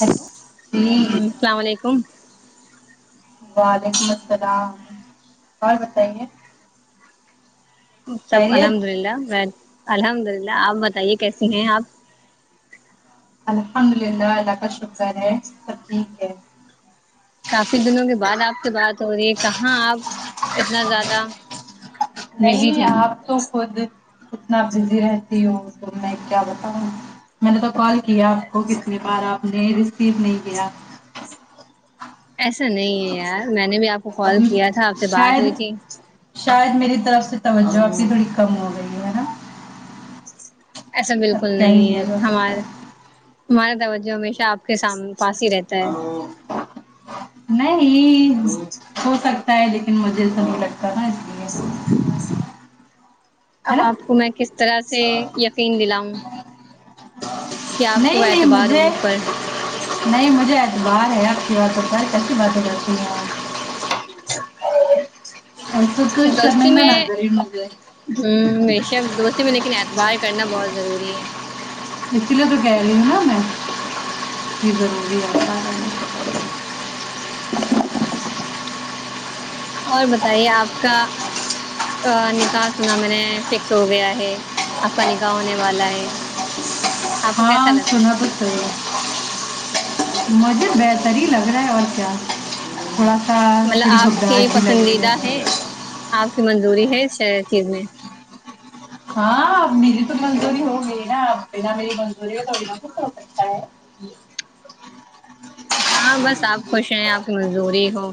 Hello جی السلام علیکم وعلیکم السلام اور بتائیے سب خیریت الحمد للہ الحمد للہ آپ بتائیے کیسی ہیں آپ الحمد للہ الله کا شکر ہے سب ٹھیک ہے کافی دنوں کے بعد آپ سے بات ہو رہی ہے کہاں آپ اتنا زیادہ بزی نہیں تھی آپ تو خود کتنا بزی رہتی ہوں تو میں کیا بتاؤ میں نے تو کال کیا آپ کو کتنی بار آپ نے ریسیو نہیں کیا ایسا نہیں ہے یار میں نے بھی آپ کو اب کال کیا تھا آپ سے بات ہوئی شاید تھی شاید میری طرف سے توجہ آپ کی تھوڑی کم ہو گئی ہے نا ایسا بالکل اب کیا ہی نہیں ہے کیا جا سکتا ہمارے ہے ہمارا توجہ ہمیشہ آپ کے سامنے پاس ہی رہتا ہے ہیلو نہیں ہو سکتا ہے لیکن مجھے ایسا نہیں لگتا نا لیے ہے اب نا آپ کو میں کس طرح سے یقین دلاؤں کیا آپ کو نہیں نہیں اعتبار ہو مجھے مجھ پر نہیں مجھے اعتبار ہے آپ کی بات کیسی باتیں کرتی ہے نس انکو کو کچھ سمجھ میں آگئی ہونگے ہوں بے شک دوستی میں لیکن اعتبار کرنا بہت ضروری ہے اسی لیے تو کہہ رہی ہوں نا میں یہ ضروری ہے ہوں۔ اور بتائیے آپ کا نکاح سنا میں نے فکس ہو گیا ہے آپ کا نکاح ہونے والا ہے آپ کو کیسا لگ رہا ہے ھمم مطلب بہترہی لگ رہا ہے اور کیا تھوڑا سا مطلب تھوڑی آپ شبدا کی اچھی لگ رہی پسندیدہ ہے ہے آپ کی منظوری ہے اس چیز میں ہاں میری تو منظوری ہوگی نا بینا میری منظوری تھوڑی نہ کچھ ہوتا ہے ہاں بس آپ خوش ہیں آپ کی منظوری ہو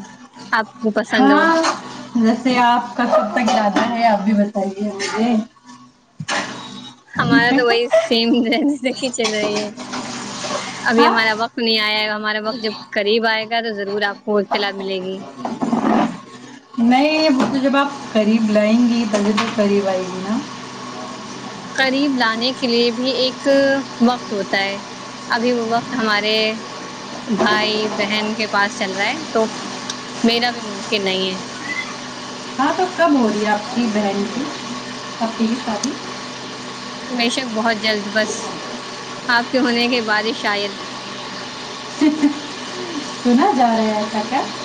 آپ کو پسند ہو ویسے آپ کا کب تک ارادہ ہے آپ بھی بتائیے مجھے ہمارا تو وہی سیم [unintelligible] چل رہی ہے ابھی ہاں ہمارا وقت نہیں آئےہمارے وقت جب قریب آئے گا تو ضرور آپ کو اطلاع ملے گی نہیں وہ تو جب آپ قریب لائیں گی پہلے تو قریب آئے گی نا قریب لانے کے لیے بھی ایک وقت ہوتا ہے ابھی وہ وقت ہمارے بھائی بہن کے پاس چل رہا ہے تو میرا ابھی ممکن نہیں ہے ہاں تو کب ہو رہی ہے آپ کی بہن کی آپی کی شادی بیشک بہت جلد بس آپ کے ہونے کے بعد شاید سنا جا رہی ہے [unintelligible]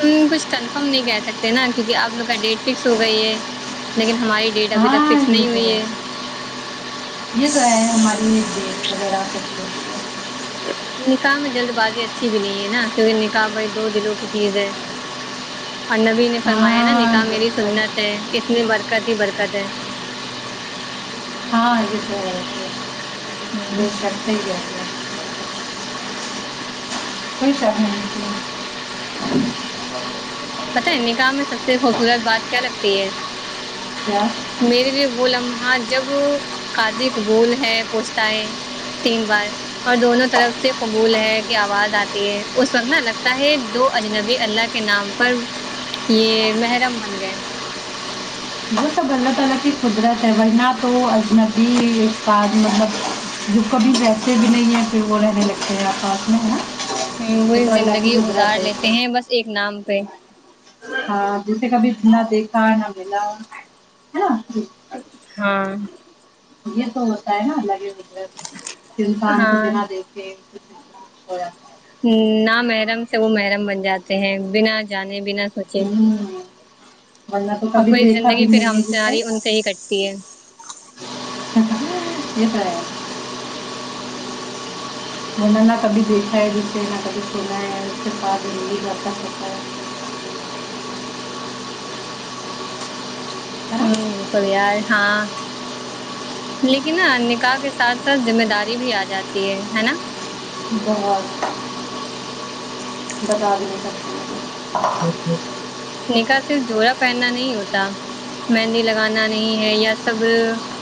ہ کچھ کنفم نہیں کہہ سکتے نا کیکہ اپ لوگ کا ڈیٹ فکس ہو گئی ہے لیکن ہماری ڈیٹ ابھی تک ہاں فکس یہ نہیں تو ہوئی ہے یہ تو [inaudible] ھمم نکاح میں جلد بازی اچھی بھی نہیں ہے نا کیونکہ نکاح بھائی دو دلوں کی چیز ہے اورنبی نے فرمایا نا ہاں نکاح یہ میری سنت تو- ہے اس میں برکت ہی برکت ہے ہاں یہ تو ہے [inaudible] کوئی شک نہیں پتا ہے نکاح میں سب سے خوبصورت بات کیا لگتی ہے کیا میرے لیے وہ لمحہ جب قاضی قبول ہے پوچھتا ہے تین بار اور دونوں طرف سے قبول ہے کہ آواز آتی ہے اس وقت نہ لگتا ہے دو اجنبی اللہ کے نام پر یہ محرم بن گئے وہ سب اللہ تعالی کی قدرت ہے وہ نہ تو انبی بار مطلب جو کبھی ویسے بھی نہیں ہے پھر وہ رہنے لگے ہیں آ پاس میں ہے نا ہ یہ وہی تو اللہ کی زندگی قدرت گزار لیتے ہیں ہے بس ایک نام پہ ہاں جیسے کبھی نہ دیکھا نہ ملا ہے نا ہاں یہ تو ہوتا ہے نا الگ ہی مطلب انسان کو ہاں بنا دیکھ کھے نہ محرم سے وہ محرم بن جاتے ہیں بنا جانے بنا سوچے ہوں ورنہ تو اور کبھی پوری دیکھا زندگی بھی پھر نہیں ہم ہے سے جسے ہماری ان سے ہی کٹتی ہے ہ [inaudible] میں نے نہ کبھی دیکھا ہے جسے نہ کبھی سنا ہے اس کے ساتھ یہ لتا سوتا ہے [inaudible] ہے نا ہوں پیار ہاں لیکن نا نکاح کے ساتھ ساتھ ذمہ داری بھی آ جاتی ہے ہے نا بہت بتا بھی نہیںے سکتی [inaudible] نکاح صرف جوڑا پہننا نہیں ہوتا مہندی لگانا نہیں ہے یا سب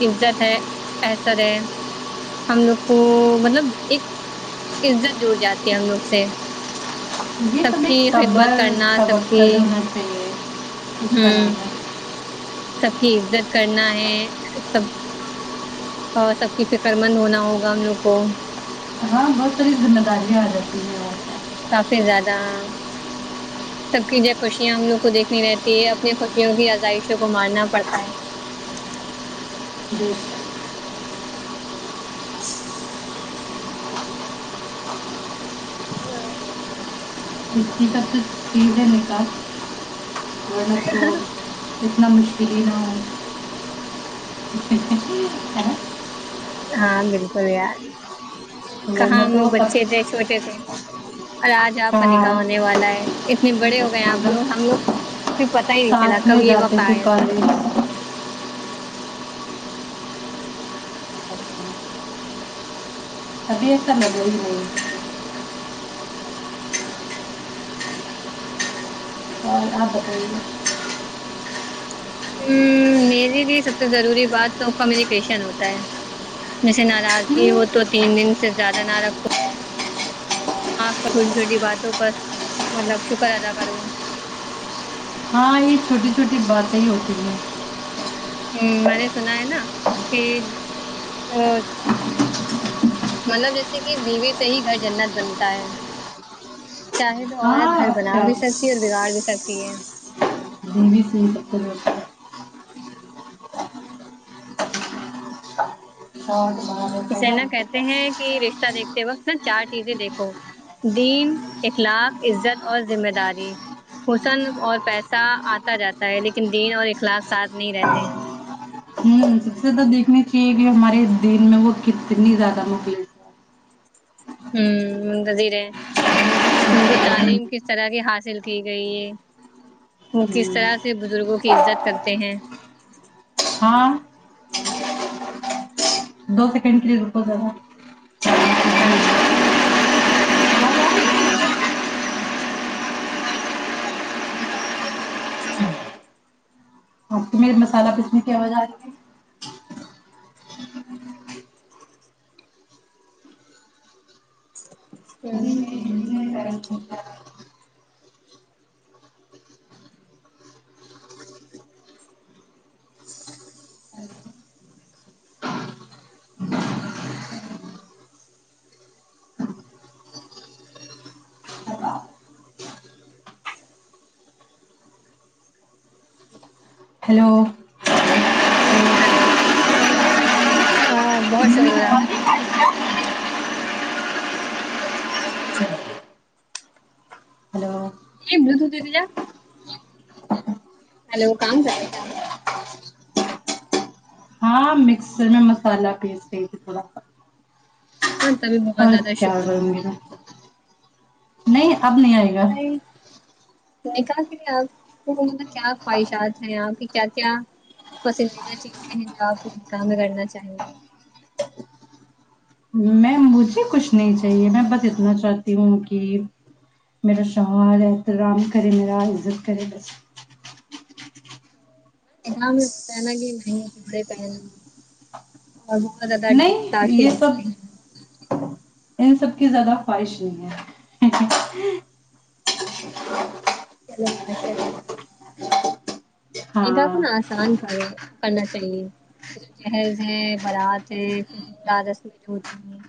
عزت ہے احسر ہے ہم لوگ کو مطلب ایک عزت جوڑ جاتی ہے ہم لوگ سے یہ سب ایک کی صبر خدمت کرنا سب سبق کی ہونا چاہیے کا ہوں نام ہے سب کی عزت کرنا ہے سب اور سب کی فکر مند ہونا ہوگا ہم لوگ کو ہاں بہت ساری ذمہ دارییاں آ جاتی ہیں اور کیا کافی زیادہ سب کی جو خوشیاں ہم لوگ کو دیکھنی رہتی ہے اپنی خوشیوں کی ازائشوں کو مارنا پڑتا ہے جی [inaudible] [unintelligible] کی کا تو ٹھیک ہے نیکا با تو [unintelligible] [inaudible] اتنا مشکل ہی نہ ہو ہاں بالکل یار کہاں ورنہ ہم لوگ تو بچے سب تھے چھوٹے تھے اور آج آپ کا ہاں نکاح ہونے والا ہے اتنے بڑے ہو گئے آپ لوگ ہم لوگ کوئی پتا ہی نہیں چلا ساتھ میں کبھی یہ جاتے وقت تھے آیا اس کا کالج ابھی ایسا ملور ہی نہیں [inaudible] اور آپ بتائیں گے ہ میری لیے سب سے ضروری بات تو کمیونیکیشن ہوتا ہے میرے سے ناراضگی ہو ہوں، تو تین دن سے زیادہ نہ رکھو آپ کا چھوٹی چھوٹی باتوں پر مطلب شکر ادا کروں ہاں یہ چھوٹی چھوٹی باتیں ہی ہوتی ہیں ہ میں نے سنا ہے نا کہ مطلب جیسے کہ بیوے سے ہی گھر جنت بنتا ہے چاہے تو عورت ہاں گھر بنا اچھا بھی سکتی ہے اور بگاڑ بھی سکتی ہے بیوی سے ہی سب ہوتا ہے اسے نا [unintelligible] کہتے ہیں کہ رشتہ دیکھتے وقت نا چار چیزیں دیکھو دین اخلاق عزت اور ذمہ داری حسن اور پیسہ آتا جاتا ہے لیکن دین اور اخلاق ساتھ نہیں رہتے سب ہوں سے زیادہ دیکھنی چاہیے کہ ہمارے دین میں وہ کتنی زیادہ نکل ہمم گادیرے ان کو تعلیم کس طرح کی حاصل کی گئی ہے وہ کس طرح ہے سے بزرگوں کی عزت کرتے ہیں ہاں دو سیکنڈ کے لیے روکو ذرا ہاں جی آپکو میرے مسالہ پیسنے کی آواز آری ہے جی ہوں نہیں ہیلو ہمم ہیلو بہت شور تھا ہیلو ایم بلورتھوت دے کے جا [unintelligible] ہیلو کام کررہے ہو کیا آپ ہاں مکسر میں مسالہ پیس رہی تھی تھوڑا سا ہاں تبھی بہت اور زیادہ کیا شور ہو رہا کروں گی تھا نہیں اب نہیں آئے گا بتائی میں کہا کہ آپ کو مطلب کیا خواہشات ہیں آپ کی کیا کیا پسندیدہ چیزیں ہیں جو آپنے نکاح میں کرنا چاہیں گے میں مجھے کچھ نہیں چاہیے میں بس اتنا چاہتی ہوں کہ میرا شوہر ہے احترام کرے میرا عزت کرے بس ای کام رہتا ہے نہ مہنگے کپڑا پہننا اور بہت زیادہ دھول نہیں تاشے یہ بجتے سب ہیں ان سب کی زیادہ خواہش نہیں ہے چلو ماشاء اللہ نکاح کو ہاں نا آسان کرو کرنا چاہیے جیسے جہیز ہے بارات ہے پھر دورات رسمی جو ہوتی ہیں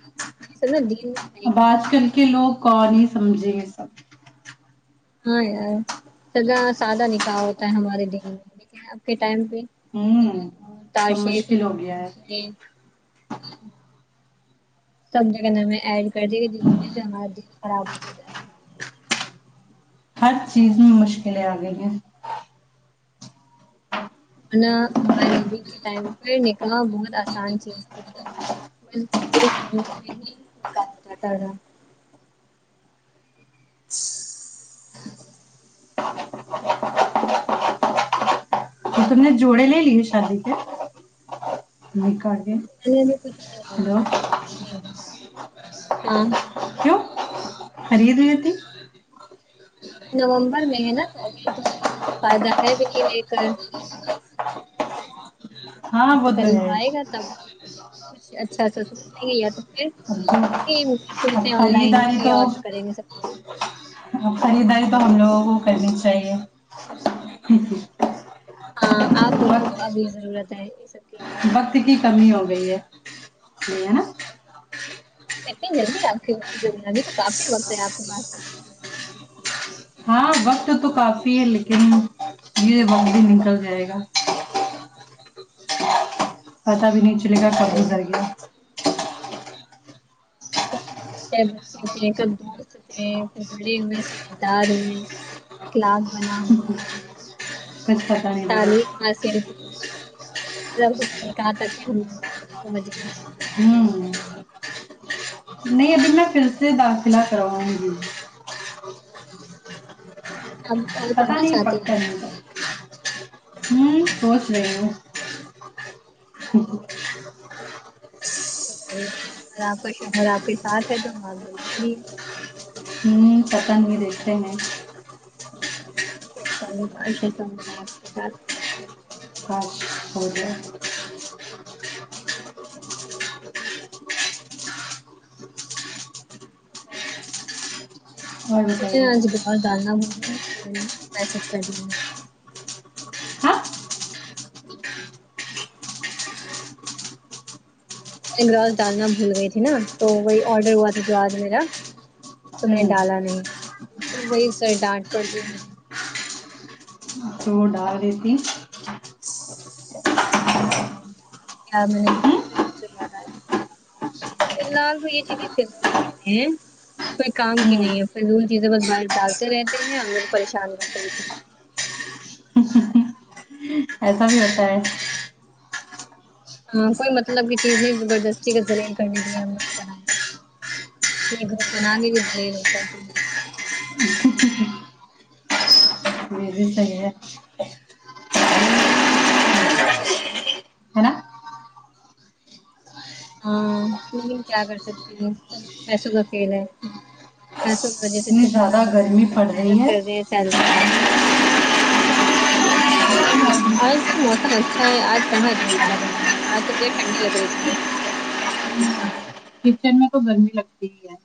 یہ سب نا دین میں ہے ہی اب آج نہیں کل کے لوگ کون ہی سمجھے یہ سب ہاں یار سدا سادہ نکاح ہوتا ہے ہمارے دن میں لیک اب کے ٹائم پہ یہ ہوں سب تاشے مشکل ہو فضول کے گیا ہے کرسمے سب جانے نئے ایڈ کر رہے جس وجہ سے ہمارا دین خراب ہو جائے ہر چیز میں مشکلیں آ گئی ہیں ہمارے نبی کے ٹائم پہ نکلنا بہت آسان چیز تھی دو کھجوروں میں ہی نکاح ہو جاتا تھا تو تم نے جوڑے لے لیے شادی کے کے میں نے تو کچھ بھی نہیں ہیلو لیا ہے کچھ بھی ہاں کیوں خرید لیتی نومبر میں ہے نا تو ابھی تو کوئی فائدہ ہے بھی نہیں لے کر ہاں بات وہ تو قریب ہے اب آئے گا تب کچھ اچھا سا سوٹ لیے یا تو پھر تو وہی میشو اب سے آن لائن خریداری بھی تو آڈر کریں گے سب کچھ خریداری تو ہم لوگوں کو کرنی چاہیے ہ آپ لوگوں وقت کو ابھی ضرورت ہے یہ سب کی وقت کی کمی ہو گئی ہے صحیح ہے نا اتنی جلدی آپ آگئے ابھی تو کافی وقت ہے آپ کے پاس تو ہاں بس تو کافی ہے لیکن یہ وقت بھی نکل جائے گا پتا بھی نہیں چلے گا ان کب شاء اللہ، گزر گیا کب بچے تھے کب دوست تھے کب بڑے ہوئے سمجھدار ہوئے اخلاق بنا ہو ہے کچھ پتا نہیں لگا تعلیم حسین کی مطلب ہم نے کہا تھا کہ ہم لوگ پہنچ گئے ہوں نہیں ادھی میں پھر سے داخلہ کرواؤں گی آپ اور پتاہ پڑھنا نہیں چاہتے ہیں پککا آگے؟ نہیں تو ہوں سوچ رہی ہوں ج اگر آپ کا شوہر آپ کے ساتھ ہے تو نماز ضرور پڑھیے ہ پتا نہیں دیکھتے ہے آپ کے ساتھ خچ ہوتاا اور مے بتائیے اج گھر ڈالنا نہیں تو سددنلے میسج کر دینا ہاں انگراج دلنا بھول گیی تھی نا آڈیو وہا سے اج میرا تو ہوں ڈالا نہیں تو وہی سر ڈانٹ پڑ رہئی مجھے اور کھا رہی تھی اجبمرہ ٹفن کیسے یاد آیا فی الحال تو یہ چیزیں فضول چیزے ہے کوئی کام کی ہوں نہیں ہے فضول چیزیں بس باہر ڈالتے رہتے ہیں اور لوگ کو پریشان کرتے رہتے ہیں ایسا بھی ہوتا ہے ہاں کوئی مطلب کہ چیز نہیں زبردستی کا زلیل کرنے کے لیے ہم لوگ کو بنایا یہ کوپن آگے بھی ذلیل ہوتا تو یہ بھی ساہی ہے ہے نا ہاں لیکن کیا کر سکتی ہے سب پیسو کاکھیل ہے ایسوں کی وجہ سے چ اتنی ہونا زیادہ پڑتا ہے گرمی کہ پڑ رہی محنت کر ہے رہے ہیں سیلری آج تو موسم اچھا ہے آج کہاں اتنے زیادہ گرمی ہے آج تو مجھے ٹھنڈی لگ رہی تھی ج کچن میں تو گرمی لگتی ہی ہے